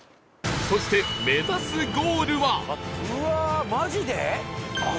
そして目指すゴールは